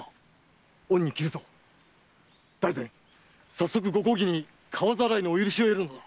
早速ご公儀に川浚いのお許しを得るのだ。